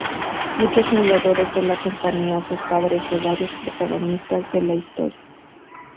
Muchos fundadores de la compañía son padres de varios protagonistas de la historia.